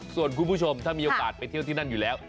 ส่วนคุณผู้ชมถ้ามีโอกาสไปเที่ยวที่นั่นอยู่แล้ว